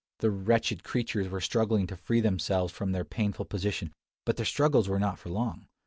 The wretched creatures were struggling to free themselves from their painful position; but their struggles were not for long.